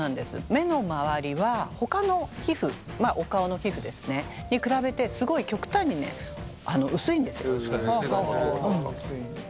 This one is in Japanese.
目の周りはほかの皮膚お顔の皮膚ですねに比べてすごい極端にね薄いんですよ。